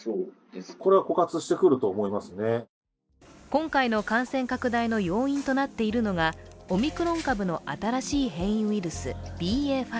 今回の感染拡大の要因となってくるのがオミクロン株の新しい変異ウイルス・ＢＡ．５。